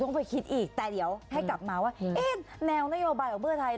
ต้องไปคิดอีกแต่เดี๋ยวให้กลับมาว่าเอ๊ะแนวนโยบายของเพื่อไทย